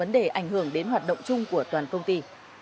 đến hoạt động chung của toàn công ty